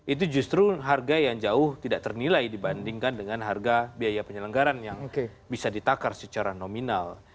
itu justru harga yang jauh tidak ternilai dibandingkan dengan harga biaya penyelenggaran yang bisa ditakar secara nominal